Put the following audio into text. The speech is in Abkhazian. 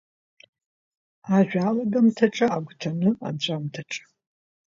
Ажәа алагамҭаҿы, агәҭаны, анҵәамҭаҿы…